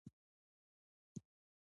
د بريا لپاره مو په خپل ظرفيت باور ولرئ .